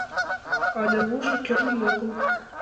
Але лужо кӱрлын огыл.